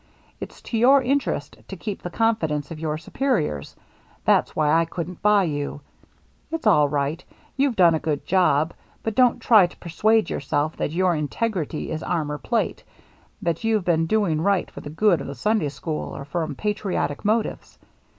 It's to your interest to keep the confidence of your superiors. That's why I couldn't buy you ; it's all right, you've done a good job, but don't try to persuade yourself that your integrity is armor plate, that you've been doing right for the good of the Sunday school or from patriotic motives.